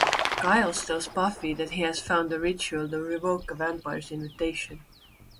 Giles tells Buffy that he has found a ritual to revoke a vampire's invitation.